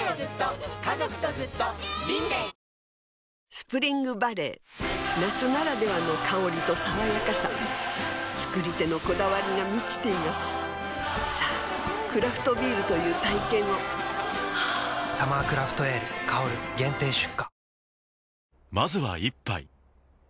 スプリングバレー夏ならではの香りと爽やかさ造り手のこだわりが満ちていますさぁクラフトビールという体験を「サマークラフトエール香」限定出荷